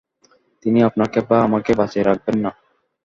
তিনি আপনাকে বা আমাকে বাঁচিয়ে রাখবেন না।